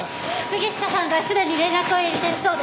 杉下さんがすでに連絡を入れているそうです。